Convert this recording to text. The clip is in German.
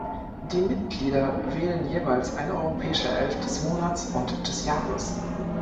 Die Mitglieder wählen jeweils eine europäische Elf des Monats und des Jahres.